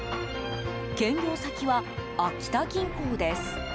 兼業先は秋田銀行です。